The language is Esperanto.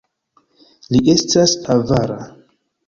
Li estas avara!